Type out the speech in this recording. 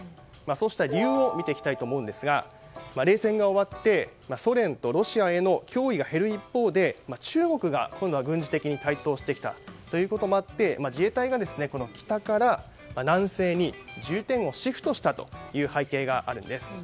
そうした理由を見ていきますと冷戦が終わってソ連とロシアへの脅威が減る一方で中国が今度は軍事的に台頭してきたということもあって自衛隊が北から南西に重点をシフトしたという背景があるんです。